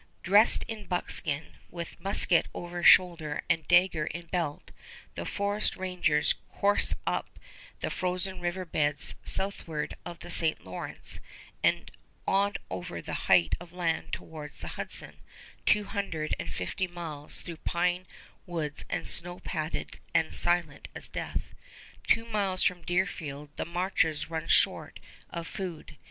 Dressed in buckskin, with musket over shoulder and dagger in belt, the forest rangers course up the frozen river beds southward of the St. Lawrence, and on over the height of land towards the Hudson, two hundred and fifty miles through pine woods snow padded and silent as death. Two miles from Deerfield the marchers run short of food.